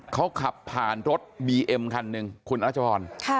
เขาขับผ่านรถบีเอ็มคันหนึ่งคุณรัชพร